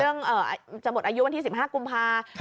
เรื่องเอ่อจะหมดอายุวันที่สิบห้ากุมภาพันธุ์ค่ะ